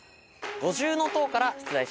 五重塔から出題します。